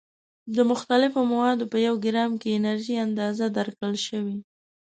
د مختلفو موادو په یو ګرام کې انرژي اندازه درکړل شوې.